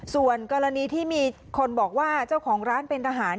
ส่วนกรณีที่มีคนบอกว่าเจ้าของร้านเป็นทหาร